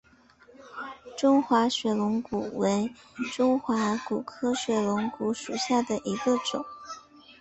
中华水龙骨为水龙骨科水龙骨属下的一个种。